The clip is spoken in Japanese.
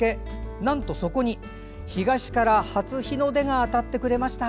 なんとそこに東から初日の出が当たってくれました。